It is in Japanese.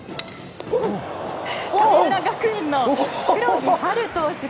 神村学園の黒木陽琉投手。